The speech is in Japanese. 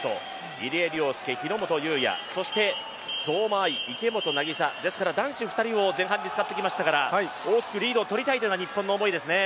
入江陵介、日本雄也そして相馬あい池本凪沙、ですから男子２人を前半に使ってきましたから大きくリードをとりたいのが日本の思いですね。